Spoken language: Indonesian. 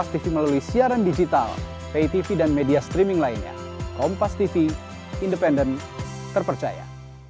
terima kasih nanti selanjutnya nunggu bapak kapolres ya